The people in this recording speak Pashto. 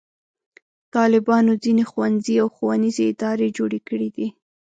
طالبانو ځینې ښوونځي او ښوونیزې ادارې جوړې کړې دي.